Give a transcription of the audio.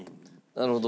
なるほど。